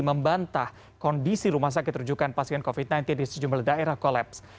membantah kondisi rumah sakit rujukan pasien covid sembilan belas di sejumlah daerah kolaps